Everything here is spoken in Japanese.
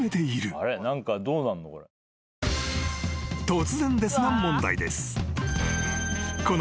［突然ですが問題です］